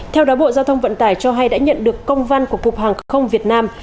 theo đó bộ giao thông vận tải cho hay đã nhận được công văn của cục hàng không việt nam